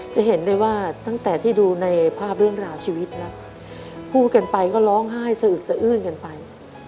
จะเห็นได้ว่าตั้งแต่ที่ดูในภาพเรื่องราวชีวิตนะพูดกันไปก็ร้องไห้สะอึกสะอื้นกันไป